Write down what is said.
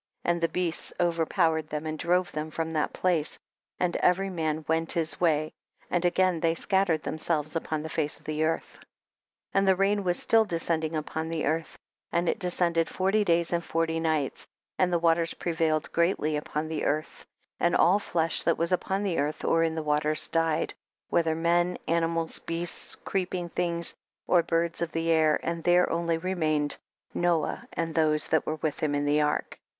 And the beasts overpow ered them and drove them from that place, and every man went his way and they again scattered themselves upon the face of the earth. 26. And the rain was still de scending upon the earth, and it de scended forty days and forty nights, and the waters prevailed greatly upon the earth ; and all flesh that was upon the earth or in the waters died, whe ther men, animals, beasts, creeping things or birds of the air, and there only remained Noah and those that were with him in the ark.